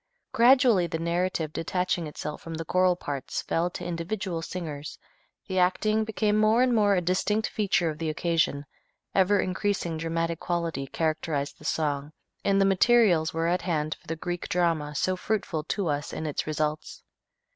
Gradually the narrative detaching itself from the choral parts fell to individual singers, the acting became more and more a distinct feature of the occasion, ever increasing dramatic quality characterized the song, and the materials were at hand for the Greek drama so fruitful to us in its results.